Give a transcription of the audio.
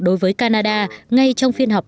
đối với canada ngay trong phiên họp